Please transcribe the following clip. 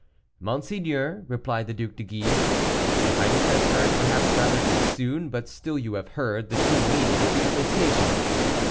"Monseigneur," replied the Duc de Guise, "your highness has heard, perhaps rather too soon, but still you have heard, the true meaning of the association.